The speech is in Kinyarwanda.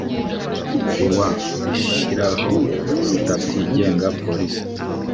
kuwa rishyiraho sitati igenga polisi